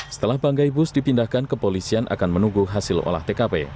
setelah banggai bus dipindahkan kepolisian akan menunggu hasil olah tkp